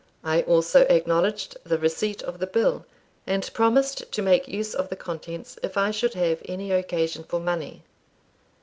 I also acknowledged the receipt of the bill, and promised to make use of the contents if I should have any occasion for money.